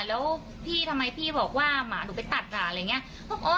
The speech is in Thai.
แล้วพี่ทำไมพี่บอกว่าหมาหนูไปตัดอ่ะอะไรอย่างนี้